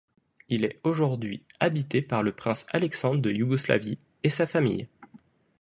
Il est aujourd'hui habité par le prince Alexandre de Yougoslavie et sa famille.